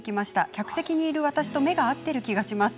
客席にいる私とお芝居が合っている気がします。